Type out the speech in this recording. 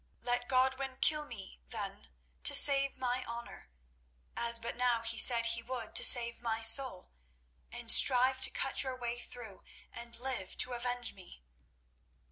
Let Godwin kill me, then, to save my honour, as but now he said he would to save my soul, and strive to cut your way through, and live to avenge me."